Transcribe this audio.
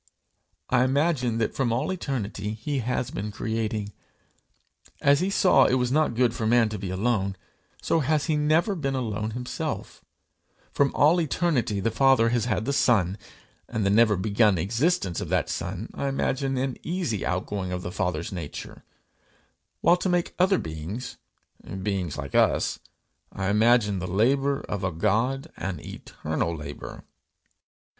I imagine that from all eternity he has been creating. As he saw it was not good for man to be alone, so has he never been alone himself; from all eternity the Father has had the Son, and the never begun existence of that Son I imagine an easy outgoing of the Father's nature; while to make other beings beings like us, I imagine the labour of a God, an eternal labour.